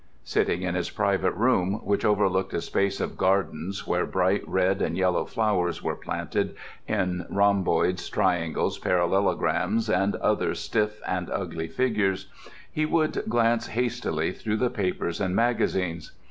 Sitting in his private room, which overlooked a space of gardens where bright red and yellow flowers were planted in rhomboids, triangles, parallelograms, and other stiff and ugly figures, he would glance hastily through the papers and magazines.